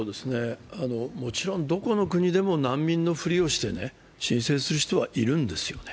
もちろんどこの国でも、難民のふりをして申請する人はいるんですよね。